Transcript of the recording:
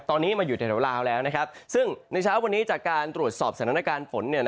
ตอนนี้มาอยู่แถวลาวแล้วซึ่งในเช้าวันนี้จากการตรวจสอบสถานการณ์ฝน